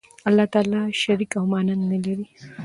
الله تعالی شریک او ماننده نه لری